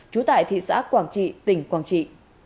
trú tại thị xã quảng trị tỉnh quảng trị